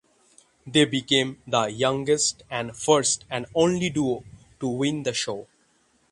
They became the youngest and first and only duo to win in the show.